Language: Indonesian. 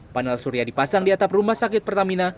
panel surya dipasang di atap rumah sakit pertamina